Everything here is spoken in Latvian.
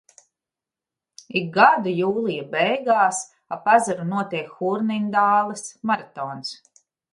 Ik gadu jūlija beigās ap ezeru notiek Hurnindāles maratons.